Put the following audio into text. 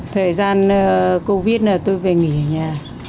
thời gian covid là tôi về nghỉ ở nhà